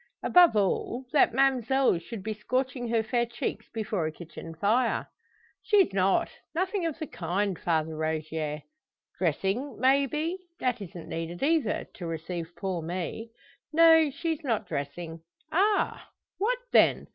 Above all, that ma'mselle should be scorching her fair cheeks before a kitchen fire." "She's not nothing of the kind, Father Rogier." "Dressing, may be? That isn't needed either to receive poor me." "No; she's not dressing." "Ah! What then?